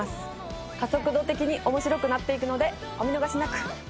加速度的に面白くなっていくのでお見逃しなく。